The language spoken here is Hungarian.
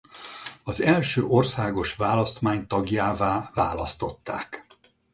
Az első országos választmány tagjává választották.